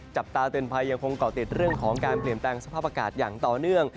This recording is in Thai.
จับตาเตือนภัยยังคงเกาะติดเรื่องของการเปลี่ยนแปลงสภาพอากาศอย่างต่อเนื่อง